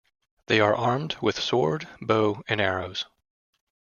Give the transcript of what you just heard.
They are armed with sword, bow and arrows.